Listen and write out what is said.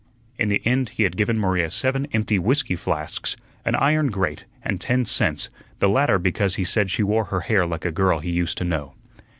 In the end he had given Maria seven empty whiskey flasks, an iron grate, and ten cents the latter because he said she wore her hair like a girl he used to know.